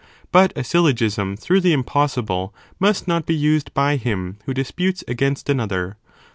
but a syllogism through the im "| possible must not be used by him, who disputes against an other.